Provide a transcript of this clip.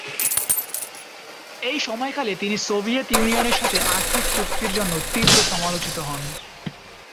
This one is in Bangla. এই সময়কালে তিনি সোভিয়েত ইউনিয়নের সাথে আর্থিক চুক্তির জন্য তীব্র সমালোচিত হন।